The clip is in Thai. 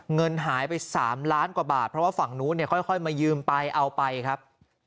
เงินหายไป๓ล้านกว่าบาทเพราะว่าฝั่งนู้นเนี่ยค่อยมายืมไปเอาไปครับ